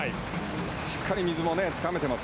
しっかり水もつかめています。